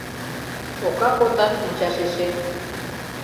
Ока потат мучашешет